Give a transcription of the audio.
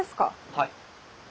はい。